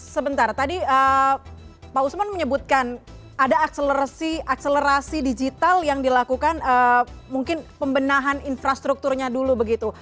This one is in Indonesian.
sebentar tadi pak usman menyebutkan ada akselerasi digital yang dilakukan mungkin pembenahan infrastrukturnya dulu begitu